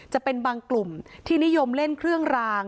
จะเป็นบางกลุ่มที่นิยมเล่นเครื่องราง